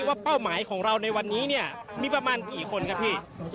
เป้าหมายของเราในวันนี้เนี่ยมีประมาณกี่คนครับพี่